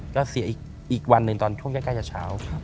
ก็เสียอีกวันหนึ่งตอนช่วงใกล้จะเช้า